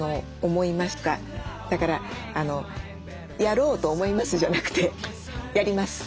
だから「やろうと思います」じゃなくてやります！